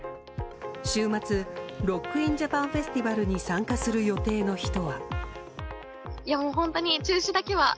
週末、ＲＯＣＫＩＮＪＡＰＡＮＦＥＳＴＩＶＡＬに参加する予定の人は。